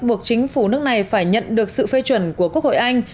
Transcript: buộc chính phủ nước này phải nhận được sự phê chuẩn của quốc hội anh